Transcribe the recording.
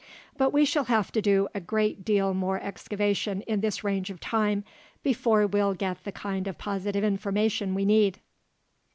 But we shall have to do a great deal more excavation in this range of time before we'll get the kind of positive information we need.